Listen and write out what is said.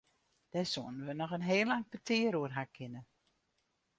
Dêr soenen we noch in heel lang petear oer ha kinne.